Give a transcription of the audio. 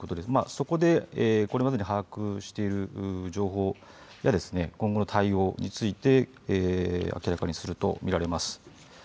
そこでこれまでに把握している情報や今後の対応について明らかにすると見られます。